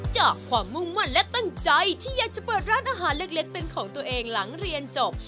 จากความมุ่งมั่นและตั้งใจที่อยากจะเปิดร้านอาหารเล็กเป็นของตัวเองหลังเรียนจบ